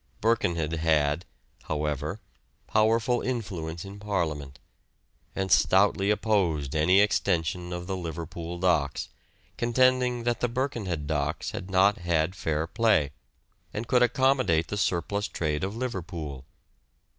Birkenhead had, however, powerful influence in Parliament, and stoutly opposed any extension of the Liverpool docks, contending that the Birkenhead docks had not had fair play, and could accommodate the surplus trade of Liverpool.